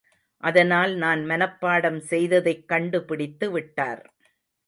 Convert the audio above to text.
அதனால் நான் மனப்பாடம் செய்ததைக் கண்டு பிடித்து விட்டார்.